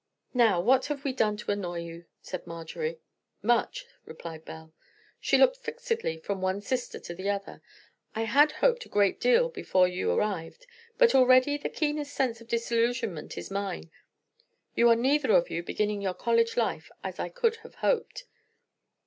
"Now, what have we done to annoy you?" said Marjorie. "Much," replied Belle. She looked fixedly from one sister to the other. "I had hoped a great deal before you arrived; but already the keenest sense of disillusionment is mine. You are neither of you beginning your college life as I could have hoped.